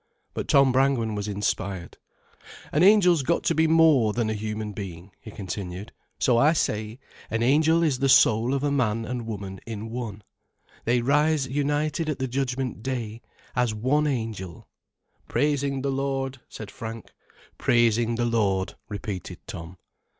But Tom Brangwen was inspired. "An Angel's got to be more than a human being," he continued. "So I say, an Angel is the soul of man and woman in one: they rise united at the Judgment Day, as one Angel——" "Praising the Lord," said Frank. "Praising the Lord," repeated Tom.